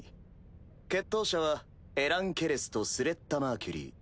決闘者はエラン・ケレスとスレッタ・マーキュリー。